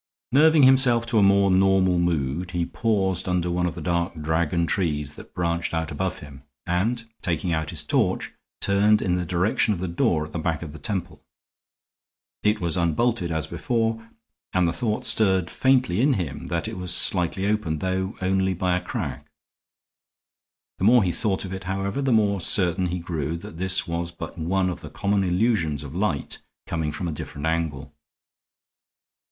Nerving himself to a more normal mood, he paused under one of the dark dragon trees that branched out above him, and, taking out his torch, turned in the direction of the door at the back of the temple. It was unbolted as before, and the thought stirred faintly in him that it was slightly open, though only by a crack. The more he thought of it, however, the more certain he grew that this was but one of the common illusions of light coming from a different angle.